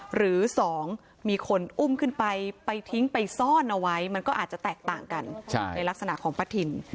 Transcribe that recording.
หรือ๒มีคนอุ้มขึ้นไปไปทิ้งไปซ่อนเอาไว้มันก็อาจจะแตกต่างกันในลักษณะของประถิ่น